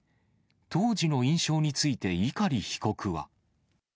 当時の印象について碇被告は。